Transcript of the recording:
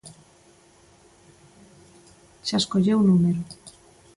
Xa escolleu número.